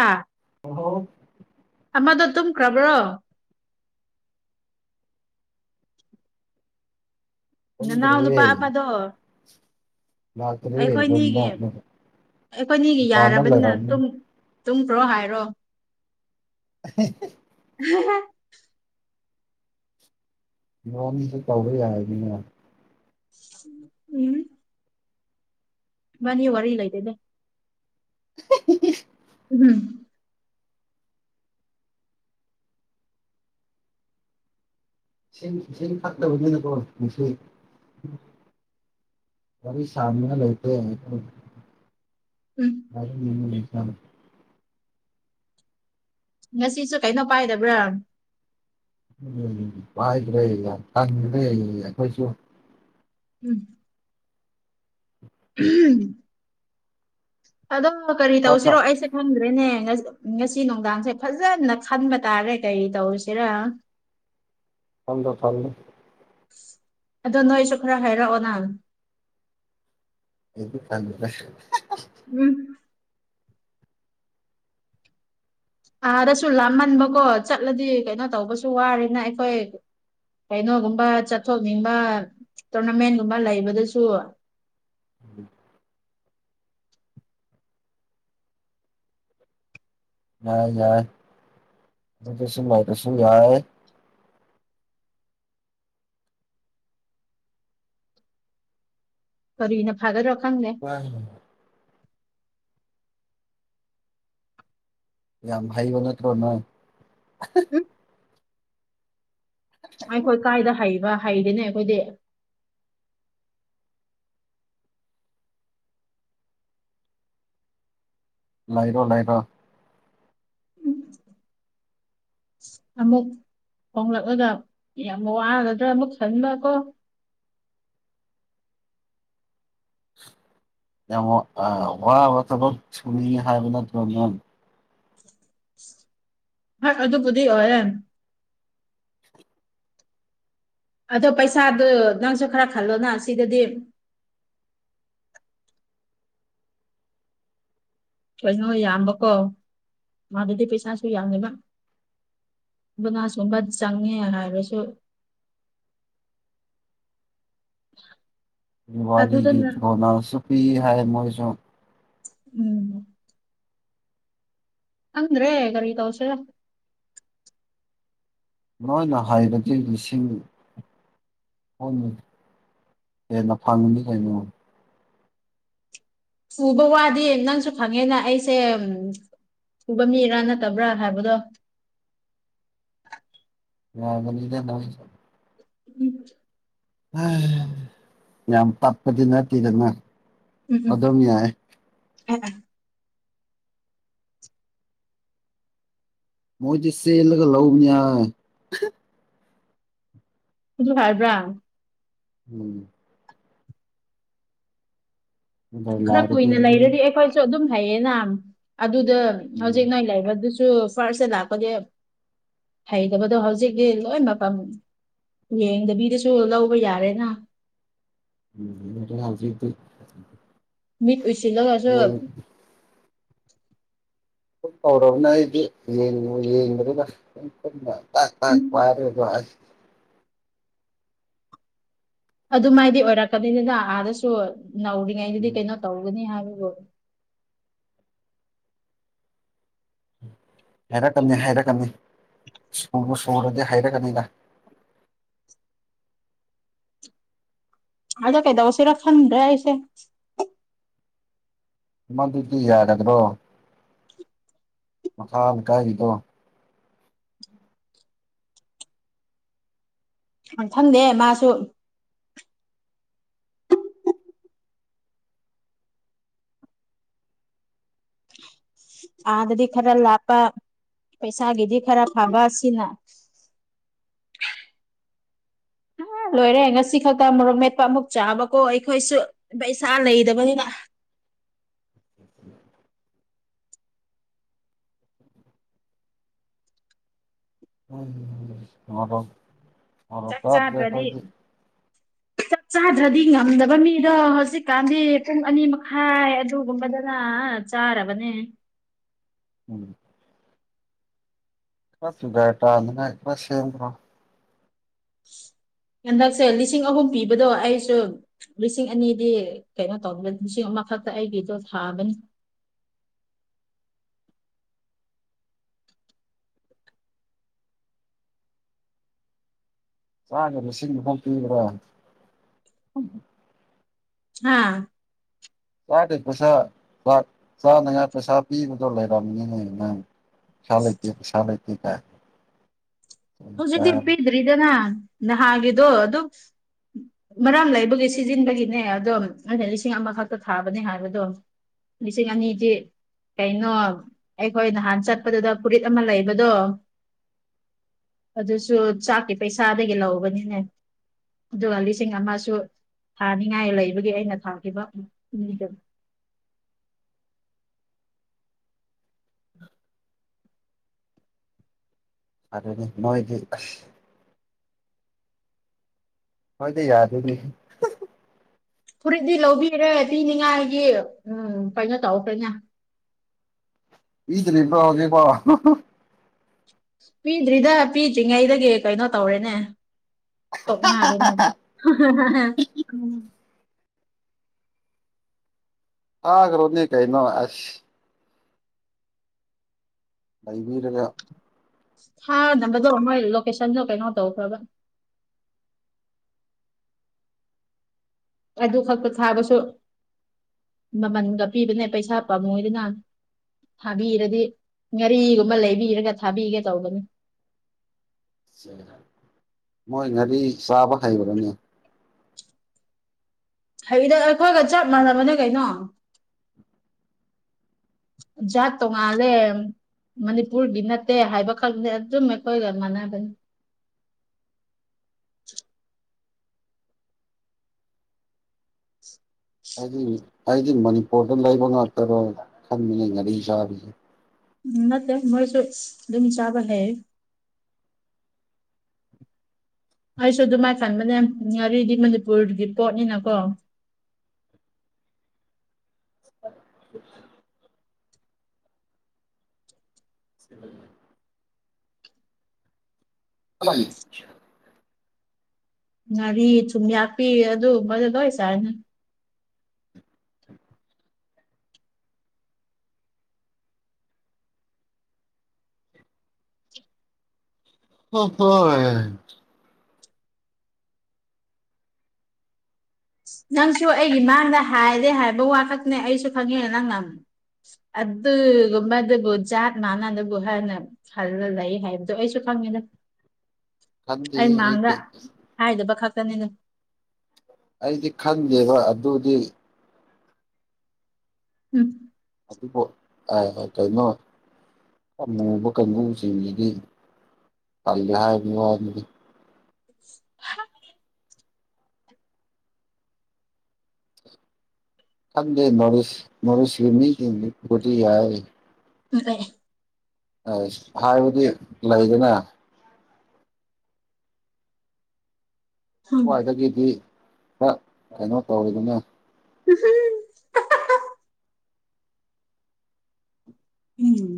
ꯑꯥ ꯍꯜ ꯍꯣ ꯑꯃꯗꯣ ꯇꯨꯝꯈ꯭ꯔꯕ꯭ꯔꯣ ꯅꯅꯥꯎ ꯅꯨꯄꯥ ꯑꯃꯗꯣ ꯀꯟ ꯑꯩꯈꯣꯏꯅꯤꯒꯤ ꯑꯩꯈꯣꯏꯅꯤꯒꯤ ꯃꯄꯥꯟꯗ ꯌꯥꯔꯕꯅꯤꯅ ꯂꯩꯔꯝꯅꯤ ꯇꯨꯝꯈ꯭ꯔꯣ ꯍꯥꯏꯔꯣ [unintelligible] [unintelligible] ꯌꯉꯣꯟꯁꯨ ꯇꯧꯕ ꯌꯥꯏꯅꯤꯅ ꯎꯝ ꯃꯥꯅꯤ ꯋꯥꯔꯤ ꯏꯂ ꯂꯩꯗꯦꯅꯦ ꯎꯝ ꯁꯤꯁꯤꯡ ꯁꯤꯁꯤꯡ ꯐꯠꯇꯕꯅꯤꯅꯀꯣ ꯉꯁꯤ ꯋꯥꯔꯤ ꯁꯥꯅꯤꯡꯉꯥ ꯂꯩꯇꯦ ꯎꯝ [unintelligible] ꯉꯁꯤꯁꯨ ꯀꯩꯅꯣ ꯄꯥꯏꯗꯕ꯭ꯔꯥ ꯎꯝ ꯄꯥꯏꯗꯔꯦ ꯌꯥꯝ ꯇꯟꯈ꯭ꯔꯦ ꯑꯈꯣꯏꯁꯨ ꯎꯝ [unintelligible] ꯑꯗꯣ ꯀꯔꯤ ꯊꯥ ꯊꯥ ꯇꯧꯁꯤꯔꯣ ꯑꯩꯁꯦ ꯈꯪꯗ꯭ꯔꯦꯅꯦ ꯉꯁꯤ ꯅꯨꯡꯗꯥꯡꯁꯦ ꯐꯖꯅ ꯈꯟꯕ ꯇꯥꯔꯦ ꯀꯔꯤ ꯇꯧꯁꯤꯔ ꯈꯜꯂꯣ ꯈꯜꯂꯨ ꯑꯗꯣ ꯅꯣꯏꯁꯨ ꯈꯔ ꯍꯥꯏꯔꯛꯑꯣꯅꯥ [unintelligible] ꯎꯝ ꯑꯥꯗꯁꯨ ꯂꯥꯞꯃꯟꯕꯀꯣ ꯆꯠꯂꯗꯤ ꯀꯩꯅꯣ ꯇꯧꯕꯁꯨ ꯋꯥꯔꯦꯅ ꯑꯩꯈꯣꯏ ꯀꯩꯅꯣꯒꯨꯝꯕ ꯆꯠꯊꯣꯛꯅꯤꯡꯕ ꯇꯣꯔꯅꯥꯃꯦꯟꯒꯨꯝꯕ ꯂꯩꯕꯗꯨꯁꯨ [inaudible] ꯌꯥꯏ ꯌꯥꯏ ꯑꯗꯨꯁꯨꯝ ꯂꯩꯔꯁꯨ ꯌꯥꯏ ꯀꯔꯤꯅ ꯐꯥꯒꯗꯔꯣ ꯈꯪꯗꯦ [unintelligible] ꯌꯥꯝ ꯍꯩꯕ ꯅꯠꯇ꯭ꯔꯣ ꯅꯣꯏ [unintelligible] ꯑꯩꯈꯣꯏ ꯀꯥꯏꯗ ꯍꯩꯕ ꯍꯩꯗꯤꯅꯦ ꯑꯩꯈꯣꯏꯗꯤ ꯂꯩꯔꯣ ꯂꯩꯔꯣ ꯑꯃꯨꯛ ꯍꯣꯡꯂꯛꯂꯒ ꯌꯥꯝ ꯋꯥꯒꯗ꯭ꯔꯥ ꯑꯃꯨꯛ ꯈꯟꯕ ꯀꯣ ꯌꯥꯝ ꯋꯥ ꯋꯥꯕ ꯊꯕꯛ ꯁꯨꯅꯤꯡꯉꯦ ꯍꯥꯏꯕ ꯅꯠꯇꯔꯣ ꯅꯪ ꯍꯣꯏ ꯑꯗꯨꯕꯨꯗꯤ ꯑꯣꯏꯌꯦ ꯑꯗꯣ ꯄꯩꯁꯥꯗꯨ ꯅꯪꯁꯨ ꯈꯔ ꯈꯜꯂꯣꯅ ꯁꯤꯗꯗꯤ ꯀꯩꯅꯣ ꯌꯥꯝꯕꯀꯣ ꯑꯥꯗꯗꯤ ꯄꯩꯁꯥꯁꯨ ꯌꯥꯝꯃꯦꯕ ꯕꯅꯥ ꯁꯨꯝꯕ ꯆꯪꯉꯦ ꯍꯥꯏꯔꯁꯨ [unintelligible] ꯋꯥꯅꯤꯒꯤ ꯑꯗꯨꯗꯅ ꯕꯣꯅꯁꯁꯨ ꯄꯤꯍꯥꯏ ꯃꯣꯏꯁꯨ ꯎꯝ ꯈꯪꯗ꯭ꯔꯦ ꯀꯔꯤ ꯇꯧꯁꯤꯔꯥ ꯃꯣꯏꯅ ꯍꯥꯏꯕꯗꯤ ꯂꯤꯁꯤꯡ ꯀꯨꯟ ꯍꯦꯟꯅ ꯐꯪꯉꯅꯤ ꯀꯩꯅꯣ ꯁꯨꯕ ꯋꯥꯗꯤ ꯅꯪꯁꯨ ꯐꯪꯉꯦꯅ ꯑꯩꯁꯦ ꯎꯕ ꯃꯤꯔꯥ ꯅꯠꯇꯕ꯭ꯔꯥ ꯍꯥꯏꯕꯗꯣ ꯋꯥꯒꯅꯤꯗꯥ ꯅꯪꯁꯨ [unintelligible] ꯌꯥꯝ ꯇꯞꯄꯥꯗꯤ ꯅꯠꯇꯦꯗꯥꯅ ꯎꯝ ꯎꯝ [unintelligible] ꯃꯣꯏꯗꯤ ꯆꯦꯜꯂꯒ ꯂꯧꯕꯅꯤ ꯑꯗꯨ ꯍꯥꯏꯕ꯭ꯔꯥ ꯎꯝ ꯈꯔ ꯅꯦꯗꯔꯂꯥꯟꯗꯗꯤ ꯀꯨꯏꯅ ꯑꯗꯨꯝ ꯂꯩꯔꯗꯤ ꯑꯩꯈꯣꯏꯁꯨ ꯑꯗꯨꯝ ꯍꯩꯌꯦꯅ ꯑꯗꯨꯗ ꯎꯝ ꯍꯧꯖꯤꯛ ꯅꯣꯏ ꯂꯩꯕꯗꯨ ꯁꯨ ꯐꯥꯔꯁꯇꯥ ꯂꯥꯛꯄꯒꯤ ꯍꯩꯇꯕꯗꯣ ꯍꯧꯖꯤꯛꯇꯤ ꯂꯣꯏ ꯃꯐꯝ ꯌꯦꯡꯗꯕꯤꯗꯁꯨ ꯂꯧꯕ ꯌꯥꯔꯦꯅ ꯎꯝ ꯑꯗꯨꯅ ꯍꯧꯖꯤꯛꯇꯤ ꯃꯤꯠ ꯎꯏꯁꯤꯜꯂꯒꯁꯨ ꯌꯦꯡ [unintelligible] ꯇꯧꯔꯕꯅꯦ ꯑꯩꯗꯤ ꯌꯦꯡꯕꯨ ꯌꯦꯡꯗꯔꯦꯗꯥ ꯇꯥꯛ ꯇꯥꯛ ꯎꯝ ꯄꯥꯏꯔꯒ [unintelligible] ꯑꯗꯨꯃꯥꯏꯗꯤ ꯑꯣꯏꯔꯛꯀꯅꯤꯗꯅ ꯑꯥꯗꯁꯨ ꯅꯧꯔꯤꯉꯩꯗꯗꯤ ꯎꯝ ꯀꯩꯅꯣ ꯇꯧꯒꯅꯤ ꯍꯥꯏꯕꯕꯨ ꯍꯥꯏꯔꯛꯀꯅꯤ ꯍꯥꯏꯔꯛꯀꯅꯤ ꯁꯨꯕꯨ ꯁꯨꯔꯗꯤ ꯍꯥꯏꯔꯛꯀꯅꯤꯗ ꯑꯗꯣ ꯀꯩꯗꯧꯁꯤꯔꯥ ꯈꯪꯗ꯭ꯔꯦ ꯑꯩꯁꯦ ꯃꯗꯨꯗꯤ ꯌꯥꯔꯗ꯭ꯔꯣ ꯃꯈꯥ ꯀꯥꯏꯔꯤꯗꯣ ꯑꯪꯊꯟꯗꯦ ꯃꯥꯁꯨ ꯑꯥꯗꯗꯤ ꯈꯔ ꯂꯥꯞꯄ ꯄꯩꯁꯥꯒꯤꯗꯤ ꯈꯔ ꯐꯕ ꯁꯤꯅ ꯑ ꯂꯣꯏꯔꯦ ꯉꯁꯤ ꯈꯛꯇ ꯃꯣꯔꯣꯛ ꯃꯦꯄ ꯑꯃꯨꯛ ꯆꯥꯕꯀꯣ ꯑꯩꯈꯣꯏꯁꯨ ꯕꯩꯁꯥ ꯂꯩꯗꯕꯅꯤꯅ [unintelligible] ꯃꯣꯔꯣꯛ ꯃꯣꯔꯣꯛ ꯆꯥꯛ ꯆꯥꯗ꯭ꯔꯦ ꯆꯥꯗ꯭ꯔꯗꯤ ꯑꯩꯈꯣꯏꯗꯤ ꯆꯞ ꯆꯥꯗ꯭ꯔꯗꯤ ꯉꯝꯗꯕ ꯃꯤꯗꯣ ꯍꯧꯖꯤꯛꯀꯥꯟꯗꯤ ꯄꯨꯡ ꯑꯅꯤ ꯃꯈꯥꯏ ꯑꯗꯨꯒꯨꯝꯕꯗꯅ ꯆꯥꯔꯕꯅꯦ ꯎꯝ [unintelligible] ꯍꯟꯗꯛꯁꯦ ꯂꯤꯁꯤꯡ ꯑꯍꯨꯝ ꯄꯤꯕꯗꯣ ꯑꯩꯁꯨ ꯂꯤꯁꯤꯡ ꯑꯅꯤꯗꯤ ꯀꯩꯅꯣ ꯇꯧꯕ ꯂꯤꯁꯤꯡ ꯑꯃꯈꯛꯇ ꯑꯩꯒꯤꯗꯣ ꯊꯥꯕꯅꯤ [unintelligible] ꯍꯥꯥ ꯀꯥꯏꯗꯩ ꯄꯩꯁꯥ ꯄꯥꯠ ꯆꯥꯅꯉꯥꯏ ꯄꯩꯁꯥ ꯄꯤꯕꯗꯣ ꯂꯩꯔꯝꯃꯤꯅꯦ ꯅꯪ ꯄꯩꯁꯥ ꯂꯩꯇꯦ ꯄꯩꯁꯥ ꯂꯩꯇꯦ ꯀꯥꯏꯅ ꯍꯧꯖꯤꯛꯇꯤ ꯄꯤꯗ꯭ꯔꯤꯗꯅ ꯅꯍꯥꯟꯒꯤꯗꯣ ꯑꯗꯨꯝ ꯃꯔꯝ ꯂꯩꯕꯒꯤ ꯁꯤꯖꯤꯟꯕꯒꯤꯅꯦ ꯑꯗꯨꯝ ꯑꯩꯅ ꯂꯤꯁꯤꯡ ꯑꯃꯈꯛꯇ ꯊꯥꯕꯅꯦ ꯍꯥꯏꯕꯗꯣ ꯂꯤꯁꯤꯡ ꯑꯅꯤꯗꯤ ꯀꯩꯅꯣ ꯑꯩꯈꯣꯏ ꯅꯍꯥꯟ ꯆꯠꯄꯗꯨꯗ ꯐꯨꯔꯤꯠ ꯑꯃ ꯂꯩꯕꯗꯣ ꯑꯗꯨꯁꯨ ꯆꯥꯛꯀꯤ ꯄꯩꯁꯥꯗꯒꯤ ꯂꯧꯕꯅꯤꯅꯦ ꯑꯗꯨꯒ ꯂꯤꯁꯤꯡ ꯑꯃꯁꯨ ꯊꯥꯅꯤꯉꯥꯏ ꯂꯩꯕꯒꯤ ꯑꯩꯅ ꯊꯥꯈꯤꯕ ꯃꯤꯗꯨ ꯑꯗꯨꯅꯤ ꯃꯣꯏꯗꯤ ꯑꯁ ꯍꯣꯏꯗꯤ ꯌꯥꯗꯦꯅꯦꯍꯦ ꯐꯨꯔꯤꯠꯗꯤ ꯂꯧꯕꯤꯔꯦ ꯄꯤꯅꯤꯡꯉꯥꯏꯒꯤ ꯎꯝ ꯀꯩꯅꯣ ꯇꯧꯈ꯭ꯔꯦꯅꯦ [unintelligible] ꯄꯤꯗ꯭ꯔꯤꯗ ꯄꯤꯗ꯭ꯔꯤꯉꯩꯗꯒꯤ ꯀꯩꯅꯣ ꯇꯧꯔꯦꯅꯦ ꯀꯣꯛꯅꯔꯦꯅꯦ [unintelligible] ꯊꯥꯒ꯭ꯔꯣꯅꯦ ꯀꯩꯅꯣ ꯑꯁ ꯂꯩꯕꯤꯔꯒ ꯊꯥꯅꯕꯗꯣ ꯃꯣꯏ ꯂꯣꯀꯦꯁꯟꯗꯣ ꯀꯩꯅꯣ ꯇꯧꯈ꯭ꯔꯕ ꯑꯗꯨ ꯈꯛꯇ ꯊꯥꯕꯁꯨ ꯃꯃꯟꯒ ꯄꯤꯕꯅꯦ ꯄꯩꯁꯥ ꯄꯥꯝꯃꯣꯏꯗꯅ ꯊꯥꯕꯤꯔꯗꯤ ꯉꯥꯔꯤꯒꯨꯝꯕ ꯂꯩꯕꯤꯔꯒ ꯊꯥꯕꯤꯒꯦ ꯇꯧꯕꯅꯤ ꯃꯣꯏ ꯉꯥꯔꯤ ꯆꯥꯕ ꯍꯩꯕ꯭ꯔꯅꯦ ꯍꯩꯗ ꯑꯩꯈꯣꯏꯒ ꯆꯞ ꯃꯥꯟꯅꯕꯅꯦ ꯀꯩꯅꯣ ꯖꯥꯠ ꯇꯣꯡꯉꯥꯜꯂꯦ ꯃꯅꯤꯄꯨꯔꯒꯤ ꯅꯠꯇꯦ ꯍꯥꯏꯕ ꯈꯛꯅꯦ ꯑꯗꯨꯝ ꯑꯩꯈꯣꯏꯒ ꯃꯥꯟꯅꯕꯅꯤ [inaudible] ꯑꯩꯗꯤ ꯑꯩꯗꯤ ꯃꯅꯤꯄꯨꯔꯗ ꯂꯩꯕ ꯉꯥꯛꯇꯔꯣꯏ ꯈꯟꯕꯅꯤ ꯉꯥꯔꯤ ꯆꯥꯔꯤꯁꯦ ꯎꯝ ꯅꯠꯇꯦ ꯃꯣꯏꯁꯨ ꯑꯗꯨꯝ ꯆꯥꯕ ꯍꯩ ꯑꯩꯁꯨ ꯑꯗꯨꯃꯥꯏꯟ ꯈꯟꯕꯅꯦ ꯉꯔꯤꯗꯤ ꯃꯅꯤꯄꯨꯔꯒꯤ ꯄꯣꯠꯅꯤꯅꯀꯣ [unintelligible] [unintelligible] [unintelligible] ꯉꯥꯔꯤ ꯊꯨꯝꯌꯥꯛꯄꯤ ꯑꯗꯨꯒꯨꯝꯕꯗꯣ ꯂꯣꯏ ꯆꯥꯏꯅ [unintelligible] ꯅꯪꯁꯨ ꯑꯩꯒꯤ ꯃꯥꯡꯗ ꯍꯥꯏꯔꯦ ꯍꯥꯏꯕ ꯋꯥꯈꯛꯇꯅꯦ ꯑꯩꯁꯨ ꯈꯪꯉꯦ ꯅꯪ ꯅꯪ ꯑꯗꯨꯒꯨꯝꯕꯗꯨꯕꯨ ꯖꯥꯠ ꯃꯥꯅꯗꯕꯨ ꯍꯥꯏꯅ ꯈꯜꯂ ꯂꯩ ꯍꯥꯏꯕꯗꯣ ꯑꯩꯁꯨ ꯈꯪꯉꯤꯗ ꯑꯩ ꯈꯟꯗꯦꯍꯦ ꯃꯥꯡꯗ ꯑꯩꯗꯤ ꯍꯥꯏꯗꯕ ꯈꯛꯇꯅꯤꯅꯦ ꯑꯩꯗꯤ ꯈꯟꯗꯦꯕ ꯑꯗꯨꯗꯤ ꯎꯝ ꯑꯣ ꯑ ꯀꯩꯅꯣ ꯑꯃꯨꯕ ꯀꯥꯡꯕꯨꯁꯤꯡꯁꯤꯗꯤ ꯐꯜꯂꯦ ꯍꯥꯏꯕꯒꯤ ꯋꯥꯗꯨꯗꯤ [inaudible] ꯊꯟꯗꯦ ꯅꯣꯠꯔꯤꯁ [unintelligible] [unintelligible] ꯑꯁ ꯍꯥꯏꯕꯗꯤ ꯂꯩꯗꯅ ꯎꯝ ꯁ꯭ꯋꯥꯏꯗꯒꯤꯗꯤ ꯈꯔ ꯀꯩꯅꯣ ꯇꯧꯔꯤꯗꯅ [inaudible] ꯎꯝ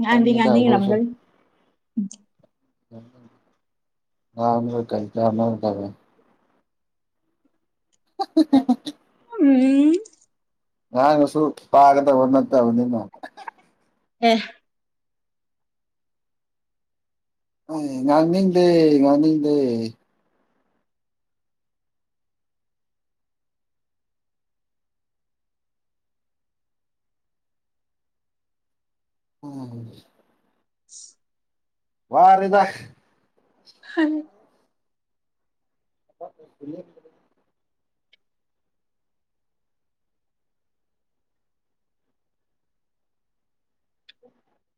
ꯉꯡꯗꯤ ꯈꯪꯉꯤꯗ ꯑꯩꯈꯣꯏꯁꯨ ꯉꯡꯅꯤꯡꯔꯥꯝꯒꯅꯤ [unintelligible] [inaudible] ꯎꯝ ꯃꯍꯥꯛꯅꯁꯨ ꯄꯥꯒꯗꯕ ꯅꯠꯇꯕꯅꯤꯅ ꯑꯦ ꯉꯡꯅꯤꯡꯗꯦ ꯉꯡꯅꯤꯡꯗꯦ ꯎꯝ [inaudible] ꯋꯥꯔꯦꯗ ꯍꯥꯏ [inaudible]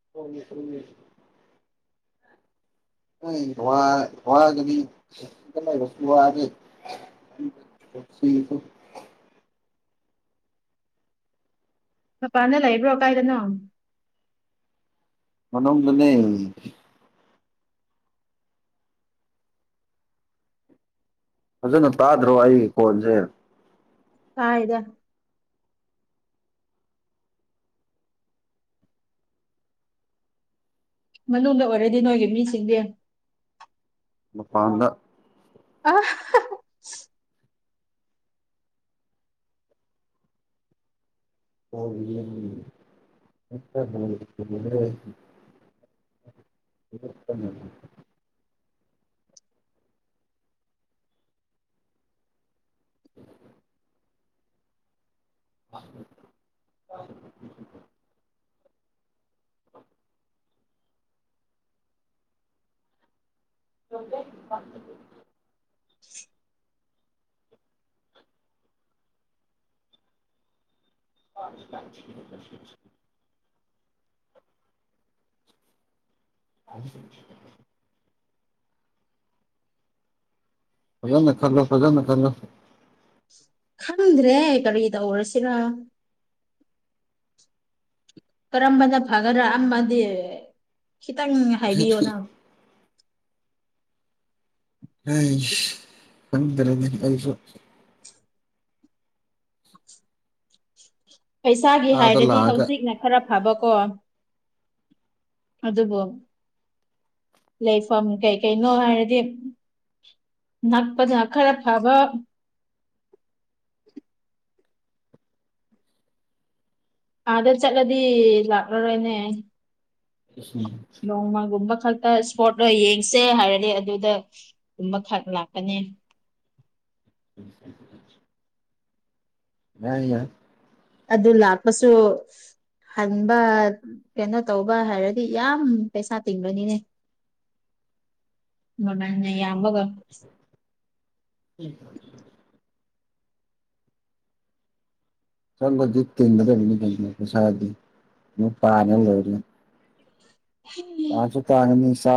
[unintelligible] [unintelligible] [unintelligible] ꯃꯄꯥꯟꯗ ꯂꯩꯕ꯭ꯔꯣ ꯀꯥꯏꯗꯅꯣ ꯃꯅꯨꯡꯗꯅꯦ ꯐꯖꯅ ꯇꯥꯗ꯭ꯔꯣ ꯑꯩꯒꯤ ꯀꯣꯟꯁꯦ ꯇꯥꯏꯗ ꯃꯅꯨꯡꯗ ꯑꯣꯏꯔꯗꯤ ꯅꯣꯏꯒꯤ ꯃꯤꯁꯤꯡꯗꯤ ꯃꯄꯥꯟꯗ ꯑ [unintelligible] [unintelligible] [inaudible] [inaudible] [inaudible] [inaudible] [unintelligible] [inaudible] ꯐꯖꯅ ꯈꯜꯂꯣ ꯐꯖꯅ ꯈꯜꯂꯣ ꯈꯪꯗ꯭ꯔꯦ ꯀꯔꯤ ꯇꯧꯔꯁꯤꯔ ꯀꯔꯝꯕꯅ ꯐꯒꯗꯔꯥ ꯑꯃꯗꯤ ꯈꯤꯇꯪ ꯍꯥꯏꯕꯤꯌꯣꯅ ꯈꯪꯗꯔꯦꯗꯥ ꯑꯩꯁꯨ ꯄꯩꯁꯥꯒꯤ ꯑꯥꯗ ꯍꯥꯏꯔꯗꯤ ꯂꯥꯛꯑꯒ ꯍꯧꯖꯤꯛꯅ ꯈꯔ ꯐꯕꯀꯣ ꯑꯗꯨꯕꯨ ꯂꯩꯐꯝ ꯀꯩ ꯀꯩꯅꯣ ꯍꯥꯏꯔꯗꯤ ꯅꯛꯄꯗꯅ ꯈꯔ ꯐꯕ [inaudible] ꯑꯥꯗ ꯆꯠꯂꯗꯤ ꯂꯥꯛꯂꯔꯣꯏꯅꯦ ꯑꯝ ꯅꯣꯡꯃꯒꯨꯝꯕ ꯈꯛꯇ ꯏꯁꯄꯣꯔꯠ ꯑꯣꯏꯅ ꯌꯦꯡꯁꯦ ꯍꯥꯏꯔꯗꯤ ꯑꯗꯨꯗ ꯨꯝꯕꯈꯛ ꯂꯥꯛꯀꯅꯤ [inaudible] [unintelligible] ꯑꯗꯨ ꯂꯥꯛꯄꯁꯨ ꯍꯟꯕ ꯀꯩꯅꯣ ꯇꯧꯕ ꯍꯥꯏꯔꯗꯤ ꯌꯥꯝ ꯄꯩꯁꯥ ꯇꯤꯡꯕꯅꯤꯅꯦ ꯂꯗꯥ ꯌꯥꯃꯒ ꯎꯝ ꯆꯪꯣꯗꯤ ꯇꯤꯟꯗꯔꯅꯤ ꯀꯁꯥꯗꯤ ꯄꯥꯅꯦ ꯂꯩꯏꯔ ꯇꯥꯁꯨ ꯇꯅꯤ ꯁꯥ